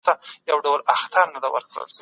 دين په ځان وژنه کي رول لري.